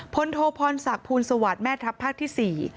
โทพรศักดิ์ภูลสวัสดิ์แม่ทัพภาคที่๔